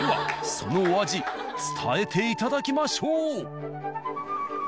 そのお味伝えていただきましょう。